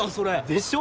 でしょ。